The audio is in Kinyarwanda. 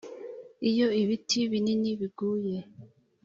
iyo ibiti binini biguye,